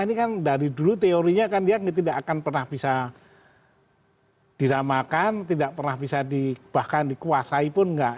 ini kan dari dulu teorinya kan dia tidak akan pernah bisa diramakan tidak pernah bisa di bahkan dikuasai pun nggak